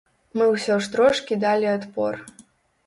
Мы ўсё ж трошкі далі адпор.